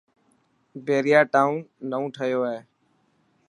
بهريا ٽائون نئون ٺهيو هي.